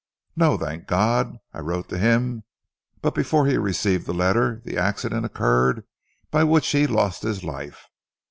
"No, thank God! I wrote to him, but before he received the letter the accident occurred by which he lost his life.